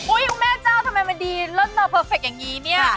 คุณแม่เจ้าทำไมมันดีเลิ่นมาเพอร์เฟคอย่างนี้เนี่ย